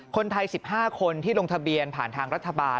คนไทย๑๕คนที่ลงทะเบียนผ่านทางรัฐบาล